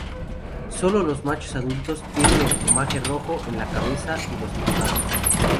Sólo los machos adultos tienen el plumaje rojo en la cabeza y los costados.